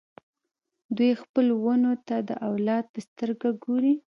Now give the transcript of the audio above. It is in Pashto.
دوی خپلو ونو ته د اولاد په سترګه ګوري.